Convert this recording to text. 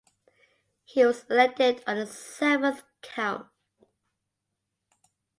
He was elected on the seventh count.